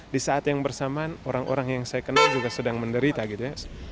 di saat yang bersamaan orang orang yang saya kenal juga sedang menderita gitu ya